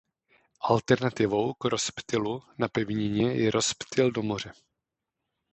Alternativou k rozptylu na pevnině je rozptyl do moře.